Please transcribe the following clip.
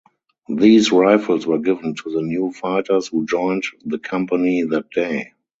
These rifles were given to the new fighters who joined the company that day.